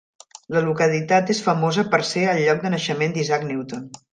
La localitat és famosa per ser el lloc de naixement d'Isaac Newton.